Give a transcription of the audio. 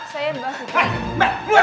saya mbak fitri